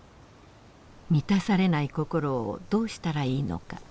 満たされない心をどうしたらいいのか。